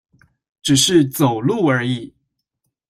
只是走路而已